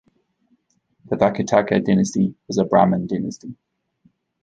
The Vakataka dynasty was a Brahmin dynasty.